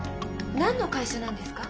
何の会社なんですか？